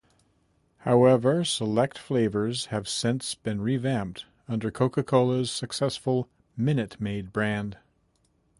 However, select flavors have since been revamped under Coca-Cola's successful Minute Maid brand.